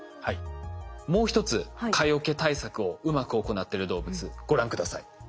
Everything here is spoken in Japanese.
もう一つ蚊よけ対策をうまく行ってる動物ご覧下さい。